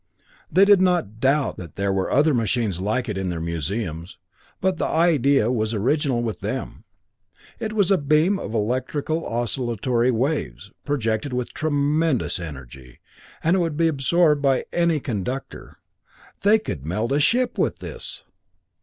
They did not doubt that there were other machines like it in their museums, but the idea was original with them. It was a beam of electrical oscillatory waves, projected with tremendous energy, and it would be absorbed by any conductor. They could melt a ship with this!